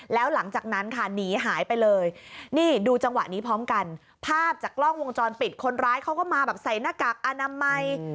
แล้วหลังจากนั้นค่ะหนีหายไปเลยนี่ดูจังหวะนี้พร้อมกันภาพจากกล้องวงจรปิดคนร้ายเขาก็มาแบบใส่หน้ากากอนามัย